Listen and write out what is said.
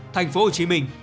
thành phố hồ chí minh